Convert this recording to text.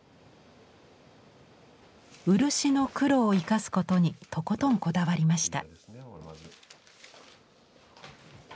漆の黒を生かすことにとことんこだわりました。